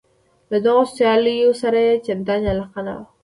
له دغو سیالیو سره یې چندانې علاقه نه وه.